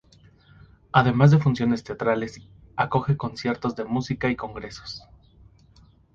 Además de funciones teatrales, acoge conciertos de música y congresos.